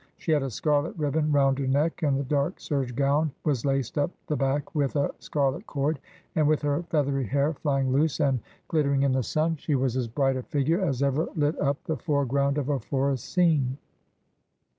She had a scarlet ribbon round her neck, and the dark serge gown was laced up the back with a scarlet cord, and, with her feathery hair flying loose and glitter ing in the sun, she was as bright a figure as ever lit up the fore ground of a forest scene.